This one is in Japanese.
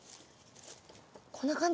こんな感じ？